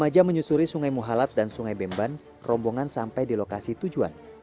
lima jam menyusuri sungai muhalat dan sungai bemban rombongan sampai di lokasi tujuan